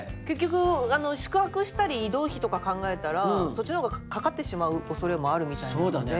結局宿泊したり移動費とか考えたらそっちの方がかかってしまうおそれもあるみたいなので。